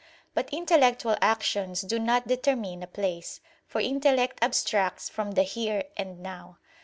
But intellectual actions do not determine a place, for intellect abstracts from the "here" and "now."